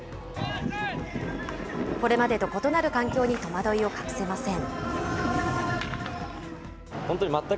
これまでと異なる環境に戸惑いを隠せません。